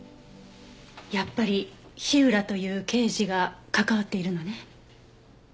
やっぱり火浦という刑事が関わっているのね？